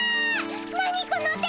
何この手！